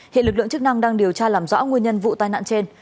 hiện lực lượng chức năng đang điều tra làm rõ nguyên nhân vụ tai nạn trên